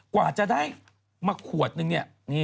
กว่าจะได้มาขวดนึงเนี่ย